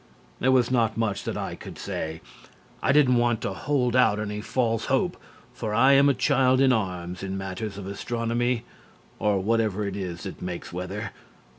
There was not much that I could say. I didn't want to hold out any false hope, for I am a child in arms in matters of astronomy, or whatever it is that makes weather.